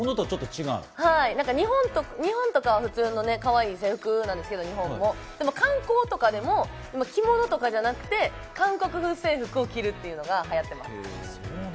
日本とかは普通のかわいい制服なんですけど、観光とかでも着物じゃなくて、韓国風制服を着るのが流行ってます。